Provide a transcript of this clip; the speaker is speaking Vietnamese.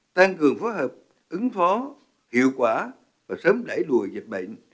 tăng cường phối hợp ứng phó hiệu quả và sớm đẩy lùi dịch bệnh